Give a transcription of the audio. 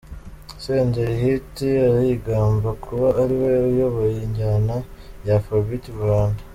Senderi Hit arigamba kuba ariwe uyoboye injyana ya Afrobeat mu Rwanda.